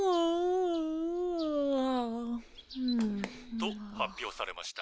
「と発表されました。